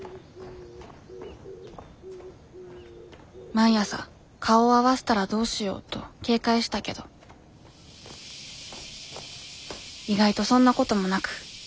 毎朝顔を合わせたらどうしようと警戒したけど意外とそんなこともなく時は過ぎていった。